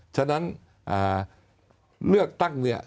ฉะนั้นเลือกตั้งเนี่ย